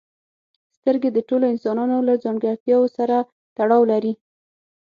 سترګې د ټولو انسانانو له ځانګړتیاوو سره تړاو لري.